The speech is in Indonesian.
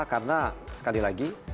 karena sekali lagi